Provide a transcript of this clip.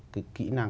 cái kỹ năng